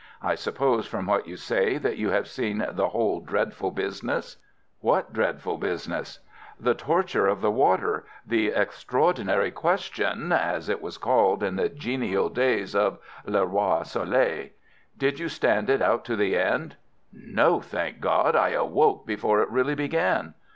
I suppose from what you say that you have seen the whole dreadful business." "What dreadful business?" "The torture of the water—the 'Extraordinary Question,' as it was called in the genial days of 'Le Roi Soleil.' Did you stand it out to the end?" "No, thank God, I awoke before it really began."